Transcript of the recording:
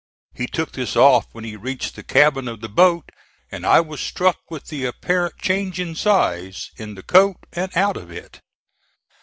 He took this off when he reached the cabin of the boat, and I was struck with the apparent change in size, in the coat and out of it.